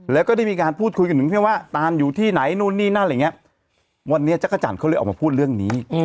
แล้วก็ได้มีการพูดคุยกับหนึ่งเพียงว่าตานอยู่ที่ไหนนู่นนี่นั่นอะไรอย่างนี้วันนี้จักรจันทร์เขาเลยออกมาพูดเรื่องนี้